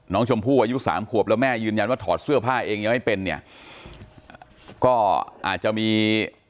น้องชมพู่อายุสามขวบแล้วแม่ยืนยันว่าถอดเสื้อผ้าเองยังไม่เป็นเนี่ยก็อาจจะมี